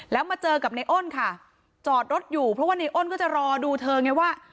แล้วมาเจอกับในอ้นค่ะจอดรถอยู่เพราะว่าในอ้นก็จะรอดูเธอไงว่า